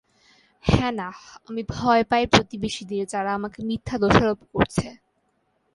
Hannah, আমি ভয় পাই প্রতিবেশীদের যারা আমাকে মিথ্যা দোষারোপ করছে।